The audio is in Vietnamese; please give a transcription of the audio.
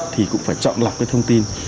thì cũng phải chọn lọc cái thông tin